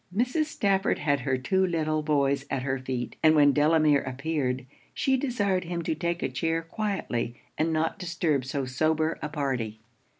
Mrs. Stafford had her two little boys at her feet; and when Delamere appeared, she desired him to take a chair quietly, and not disturb so sober a party.